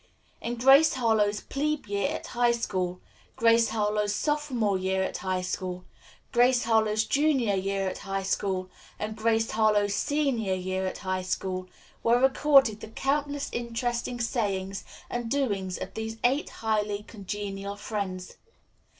In "Grace Harlowe's Plebe Year at High School," "Grace Harlowe's Sophomore Year at High School," "Grace Harlowe's Junior Year at High School," and "Grace Harlowe's Senior Year at High School," were recorded the countless interesting sayings and doings of these eight highly congenial friends.